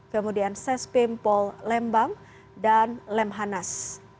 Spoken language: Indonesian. kemudian sesbim paul lembang dan lemhanas